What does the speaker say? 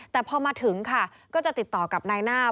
แต่พอมาถึงค่ะก็จะติดต่อกับนายหน้า